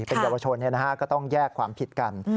เป็นเยาวชนก็ต้องแยกความผิดกัน